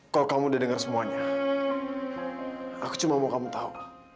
kalau kamu udah dengar semuanya aku cuma mau kamu tahu